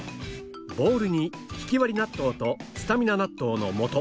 ボウルにひきわり納豆とスタミナ納豆の素